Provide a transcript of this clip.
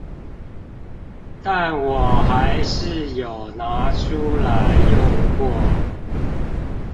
但我還是有拿出來用過